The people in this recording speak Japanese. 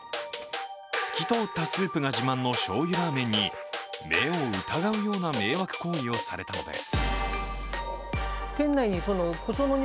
透き通ったスープが自慢のしょうゆラーメンに目を疑うような迷惑行為をされたのです。